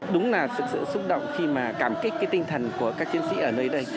đúng là sự xúc động khi mà cảm kích cái tinh thần của các chiến sĩ ở nơi đây